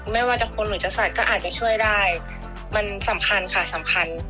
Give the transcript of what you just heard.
ไม่ว่าจะคนหรือจะสัตว์ก็อาจจะช่วยได้มันสำคัญค่ะสำคัญ